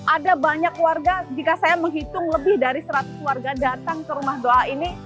ada banyak warga jika saya menghitung lebih dari seratus warga datang ke rumah doa ini